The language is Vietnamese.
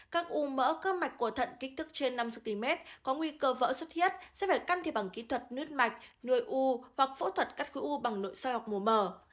các u mỡ cơ mạch của thận kích thước trên năm cm có nguy cơ vỡ xuất thiết sẽ phải căn thi bằng kỹ thuật nướt mạch nuôi u hoặc phẫu thuật cắt khối u bằng nội sai học mùa mờ